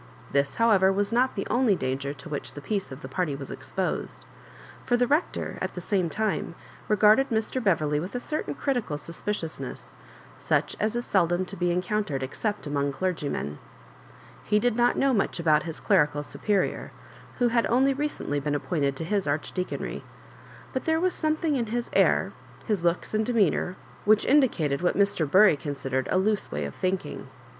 This^ however, was not the only danger to which the peace of the party was exposed. For the Rector, at the same time, regarded Mr. Beverley with a certain critical sus piciousness, such as is seldom to be enc6untered except among dergymea He did not know much about bis clerical superior, who had only recently been appointed to his archdeaconry; but there was something in bis air, his looks and demeanour, which indicated what Mr. Bury con sidered a loose way of thinking.